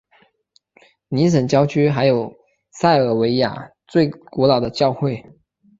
尼什郊区还有塞尔维亚最古老的教会。